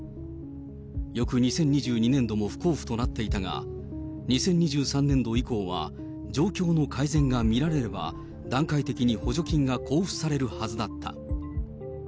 翌２０２２年度も不交付となっていたが、２０２３年度以降は状況の改善が見られれば、段階的に補助金が交付されるはずだった。